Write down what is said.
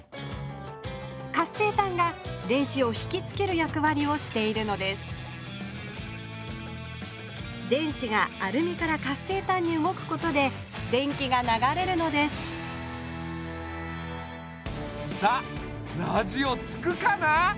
活性炭が電子をひきつけるやくわりをしているのです電子がアルミから活性炭に動くことで電気が流れるのですさあラジオつくかな？